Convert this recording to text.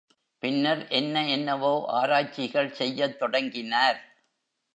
பின்னர் என்ன என்னவோ ஆராய்ச்சிகள் செய்யத் தொடங்கினார்.